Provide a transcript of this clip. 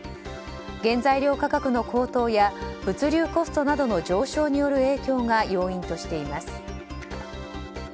原材料価格の高騰や物流コストなどの上昇による影響が要因としています。